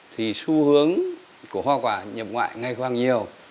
thì xu hướng của hoa quả nhập ngoại ngày càng nhiều